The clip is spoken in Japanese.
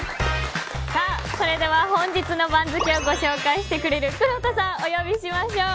それでは本日の番付をご紹介してくれるくろうとさん、お呼びしましょう。